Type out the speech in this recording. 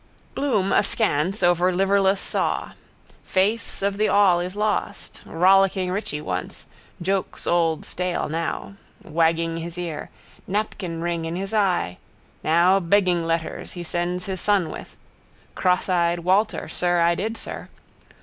Bloom askance over liverless saw. Face of the all is lost. Rollicking Richie once. Jokes old stale now. Wagging his ear. Napkinring in his eye. Now begging letters he sends his son with. Crosseyed Walter sir I did sir.